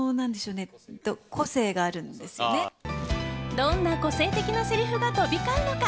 どんな個性的なせりふが飛び交うのか。